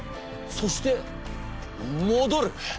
そして戻る！